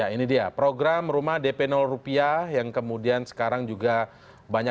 ini dia program rumah dp rupiah yang kemudian sekarang juga banyak